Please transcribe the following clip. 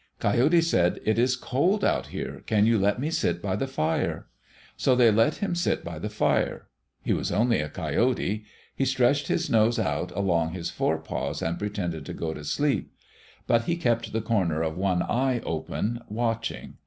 Coyote said, "It is cold out here. Can you let me sit by the fire?" So they let him sit by the fire. He was only a coyote. He stretched his nose out along his forepaws and pretended to go to sleep, but he kept the corner of one eye open watching.